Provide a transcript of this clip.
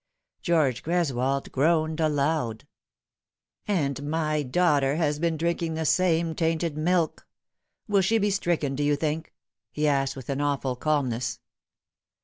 George Greswold groaned aloud, " And my daughter has been drinking the same tainted milk. Will she be stricken, do you think ?" he asked, with an awful calmness.